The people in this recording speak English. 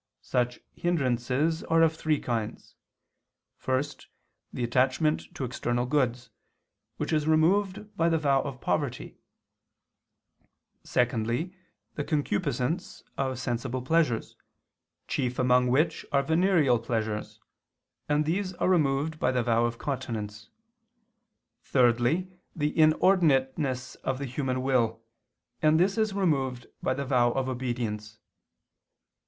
Such hindrances are of three kinds. First, the attachment to external goods, which is removed by the vow of poverty; secondly, the concupiscence of sensible pleasures, chief among which are venereal pleasures, and these are removed by the vow of continence; thirdly, the inordinateness of the human will, and this is removed by the vow of obedience.